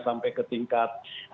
sampai ke tingkat